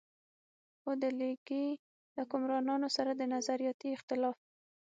خو د ليګي حکمرانانو سره د نظرياتي اختلاف